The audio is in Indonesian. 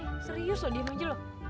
eh serius loh diam aja lo